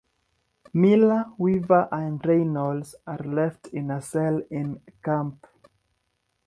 Miller, Weaver, and Reynolds are left in a cell in camp.